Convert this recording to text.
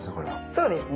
そうですね。